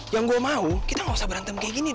yang gue mau kita gak usah berantem kayak gini